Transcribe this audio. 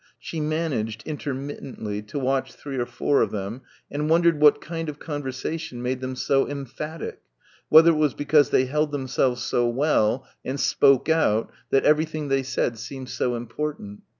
She managed intermittently to watch three or four of them and wondered what kind of conversation made them so emphatic whether it was because they held themselves so well and "spoke out" that everything they said seemed so important.